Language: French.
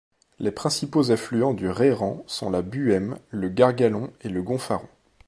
Les principaux affluents du Reyran sont la Buëme, le Gargalon et le Gonfaron.